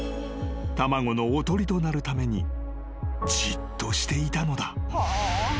卵のおとりとなるためにじっとしていたのだ］